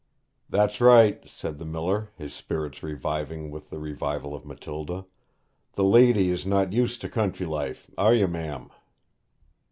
'That's right!' said the miller, his spirits reviving with the revival of Matilda. 'The lady is not used to country life; are you, ma'am?'